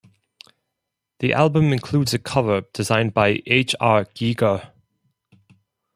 The album includes a cover designed by H. R. Giger.